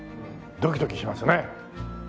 ドキドキしますね。